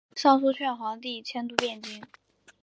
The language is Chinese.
上书劝皇帝迁都汴京。